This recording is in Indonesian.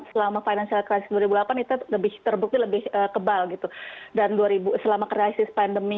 selama financial crisis dua ribu delapan itu lebih terbukti lebih kebal gitu dan selama krisis pandemi